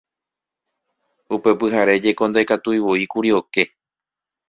Upe pyhare jeko ndaikatuivoíkuri oke